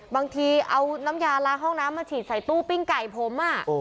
บางทีเอาน้ำยาล้างห้องน้ำมาฉีดใส่ตู้ปิ้งไก่ผม